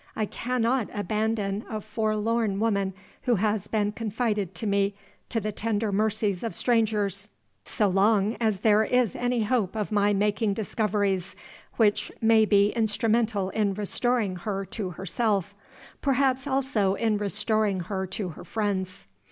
I cannot abandon a forlorn woman who has been confided to me to the tender mercies of strangers, so long as there is any hope of my making discoveries which may be instrumental in restoring her to herself perhaps, also, in restoring her to her friends.